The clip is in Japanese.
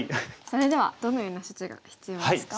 それではどのような処置が必要ですか？